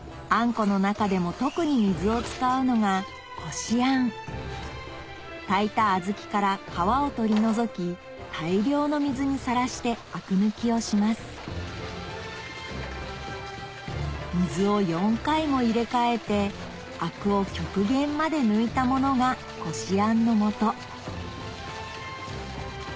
この中でも特に水を使うのがこしあん炊いた小豆から皮を取り除き大量の水にさらしてアク抜きをします水を４回も入れ替えてアクを極限まで抜いたものがこしあんのもと